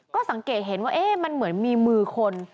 ก็สังเกตเห็นว่ามันเหมือนมีมือคน